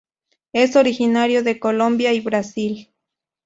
Es originario de Colombia y Brasil.